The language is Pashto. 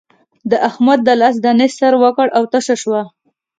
د احمد د لاس دانې سر وکړ او تشه شوه.